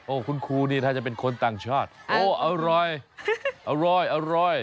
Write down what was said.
โอ้คุณครูนี่ถ้าจะเป็นคนต่างชอบโอ้อร่อยอร่อยอร่อย